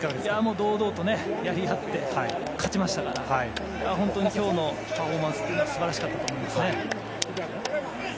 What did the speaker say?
堂々とやり合って勝ちましたから本当に今日のパフォーマンスは素晴らしかったと思います。